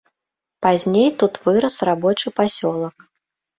Пазней тут вырас рабочы пасёлак.